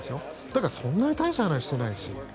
だからそんなに大した話してないし